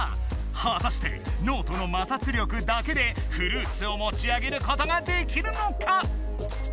はたしてノートの摩擦力だけでフルーツをもち上げることができるのか？